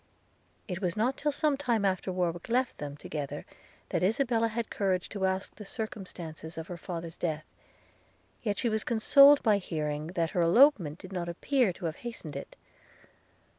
It was not till some time after Warwick left them together, that Isabella had courage to ask the circumstances of her father's death; yet she was consoled by hearing, that her elopement did not appear to have hastened it.